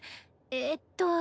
えっと。